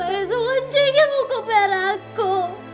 mereka ngejengik buku pera aku